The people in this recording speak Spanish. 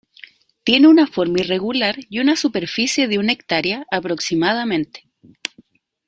Tiene una forma irregular y una superficie de una hectárea, aproximadamente.